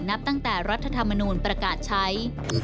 นับตั้งแต่รัฐธรรมนูลประกาศใช้